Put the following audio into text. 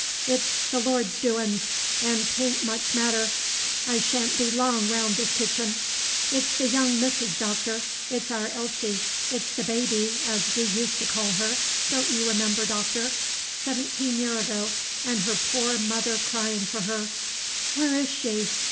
"It's the Lord's doin's, 'n' 't a'n't much matter. I sha'n' be long roan' this kitchen. It's the young Missis, Doctor, it 's our Elsie, it 's the baby, as we use' t' call her, don' you remember, Doctor? Seventeen year ago, 'n' her poor mother cryin' for her, 'Where is she?